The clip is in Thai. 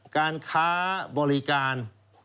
การค้าบริการ